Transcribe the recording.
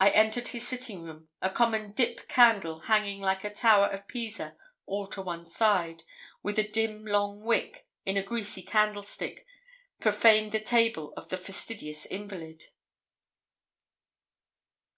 I entered his sitting room; a common 'dip' candle hanging like the tower of Pisa all to one side, with a dim, long wick, in a greasy candlestick, profaned the table of the fastidious invalid.